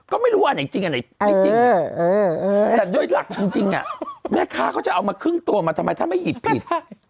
ก็ไม่รู้อันไหนจริงอันไหนไม่จริงแต่โดยหลักจริงแม่ค้าเขาจะเอามาครึ่งตัวมาทำไมถ้าไม่หยิบผิด